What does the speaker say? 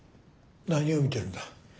何を見てるんだ。